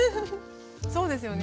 そうですよね。